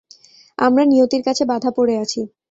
আমরা নিয়তির কাছে বাঁধা পড়ে আছি!